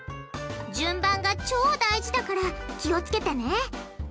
順番が超大事だから気を付けてね。